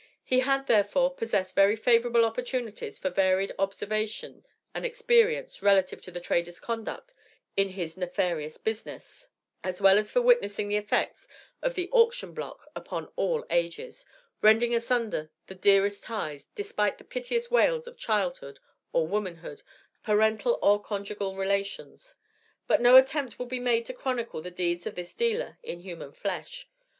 He had, therefore, possessed very favorable opportunities for varied observation and experience relative to the trader's conduct in his nefarious business, as well as for witnessing the effects of the auction block upon all ages rending asunder the dearest ties, despite the piteous wails of childhood or womanhood, parental or conjugal relations. But no attempt will be made to chronicle the deeds of this dealer in human flesh.